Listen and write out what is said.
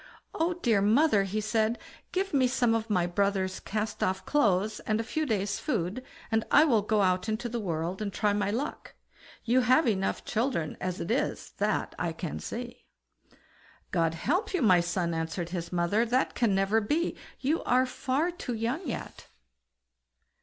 "Oh! dear mother", he said, "give me some of my brother's cast off clothes, and a few days' food, and I'll go out into the world and try my luck; you have children enough as it is, that I can see." "God help you, my son!" answered his mother; "that can never be, you are far too young yet."